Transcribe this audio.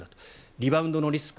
リバウンドのリスク